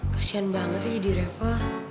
kasian banget ya di reva